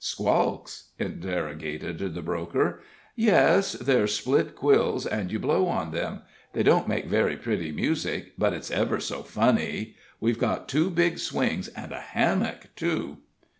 "Squalks?" interrogated the broker. "Yes; they're split quills, and you blow in them. They don't make very pretty music, but it's ever so funny. We've got two big swings and a hammock, too."